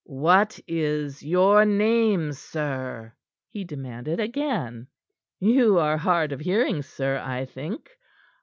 "What is your name, sir?" he demanded again. "You are hard of hearing, sir, I think.